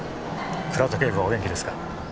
倉田警部はお元気ですか？